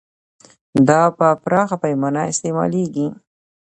دا په پراخه پیمانه استعمالیږي.